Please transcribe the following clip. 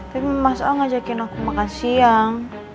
tapi mas a ngajakin aku makan siang